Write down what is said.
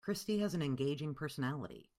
Christy has an engaging personality.